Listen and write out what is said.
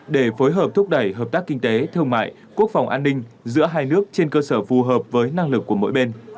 để phối hợp thúc đẩy hợp tác kinh tế thương mại quốc phòng an ninh giữa hai nước trên cơ sở phù hợp với năng lực của mỗi bên